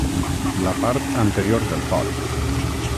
La part anterior del porc.